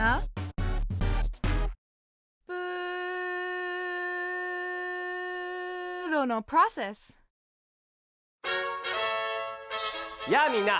プーロのプロセスやあみんな！